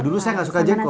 dulu saya gak suka jengkol